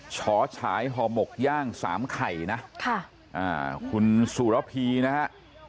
ฉอฉายห่อหมกย่างสามไข่นะคุณสุรพีนะฮะ